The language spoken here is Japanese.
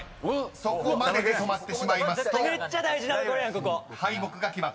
［そこまでで止まってしまいますと敗北が決まってしまいます］